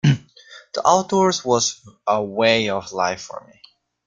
The outdoors was a way of life for me.